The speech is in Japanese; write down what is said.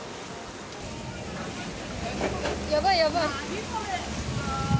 やばい、やばい。